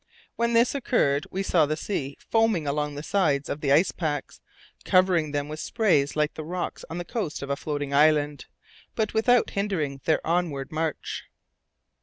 When this occurred we saw the sea foaming along the sides of the ice packs, covering them with spray like the rocks on the coast of a floating island, but without hindering their onward march.